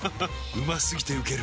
うま過ぎてウケる